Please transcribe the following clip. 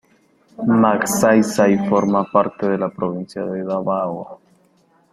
Magsaysay forma parte de la provincia de Davao.